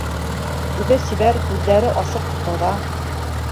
Үҙе сибәр, күҙҙәре асыҡ, таҙа.